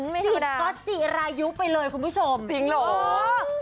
ไม่ธรรมดาจีบก็จิรายุไปเลยคุณผู้ชมจริงหรือ